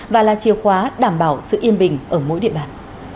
và là chìa khóa đảm bảo sự yên bình ở mỗi địa bàn